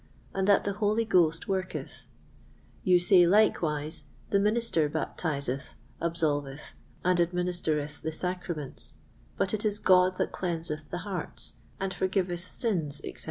and that the Holy Ghost worketh; you say, likewise, the Minister baptiseth, absolveth, and administereth the sacraments, but it is God that cleanseth the hearts, and forgiveth sins, etc.